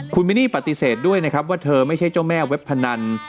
คุณมินนี่ปฏิเสธด้วยนะครับว่าเธอไม่ใช่เจ้าแม่เว็บพนัน